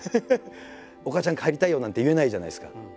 「お母ちゃん帰りたいよ」なんて言えないじゃないですか。